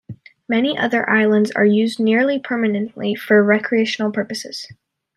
Many other islands are used nearly permanently for recreational purposes.